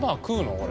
これ。